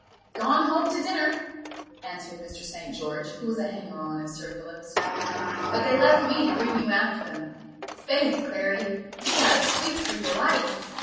"Gone home to dinner," answered Mr. St. George, who was a hanger on of Sir Philip's; "but they left me to bring you after them. Faith, Clary, you've had a squeak for your life!